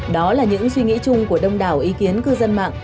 đó là những suy nghĩ chung của đông đảo ý kiến cư dân mạng